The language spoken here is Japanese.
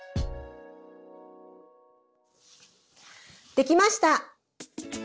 できました。